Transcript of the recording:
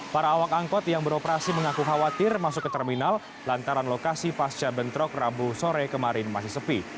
para awak angkot yang beroperasi mengaku khawatir masuk ke terminal lantaran lokasi pasca bentrok rabu sore kemarin masih sepi